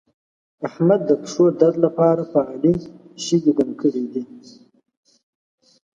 احمد د پښو درد لپاره په علي شګې دم کړې دي.